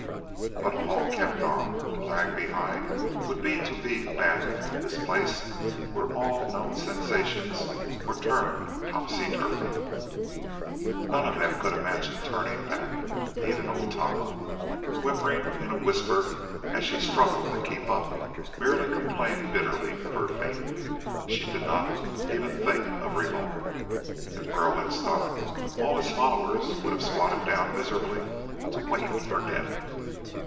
But all kept on. To lag behind would be to be abandoned in this place where all known sensations were turned topsy turvy. None of them could imagine turning back. Even old Tama, whimpering in a whisper as she struggled to keep up, merely complained bitterly of her fate. She did not even think of revolt. If Burl had stopped, all his followers would have squatted down miserably to wait for death.